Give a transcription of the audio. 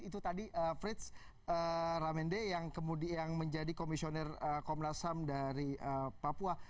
itu tadi frits ramende yang menjadi komisioner komnas ham dari papua